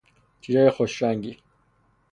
چه چای خوش رنگی